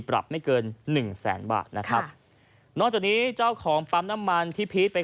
ปรับไม่เกินหนึ่งแสนบาทนะครับนอกจากนี้เจ้าของปั๊มน้ำมันที่พีชไป